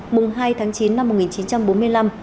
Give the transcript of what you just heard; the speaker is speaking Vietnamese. mùng hai tháng chín năm một nghìn chín trăm một mươi sáu